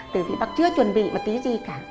tại vì bác chưa chuẩn bị một tí gì cả